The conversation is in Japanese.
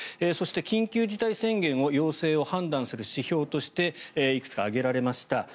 そして、緊急事態宣言の要請を判断する指標としていくつか挙げられました。